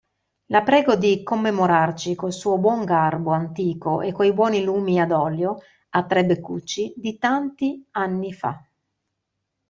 La prego di commemorarci col suo buon garbo antico e coi buoni lumi ad olio, a tre beccucci, di tanti anni fa.